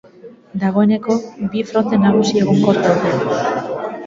Dagoeneko, bi fronte nagusiak egonkor daude.